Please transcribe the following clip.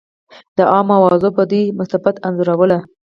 د عوامو اوازو به دوی مستبد انځورول.